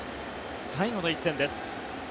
最後の一戦です。